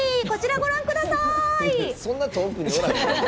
こちらご覧ください！